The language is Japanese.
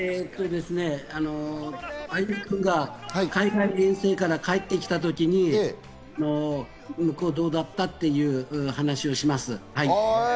歩夢君が、海外の遠征から帰ってきたときに、向こうはどうだった？っていう話をします。